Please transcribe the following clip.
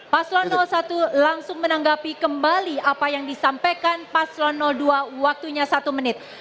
paslon satu langsung menanggapi kembali apa yang disampaikan paslon dua waktunya satu menit